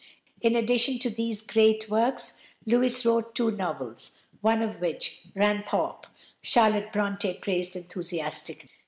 In addition to these great works Lewes wrote two novels, one of which, "Ranthorpe," Charlotte Brontë praised enthusiastically.